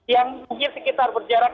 yang mungkin sekitar berjarak tiga puluh